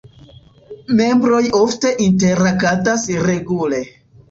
Membroj ofte interagadas regule.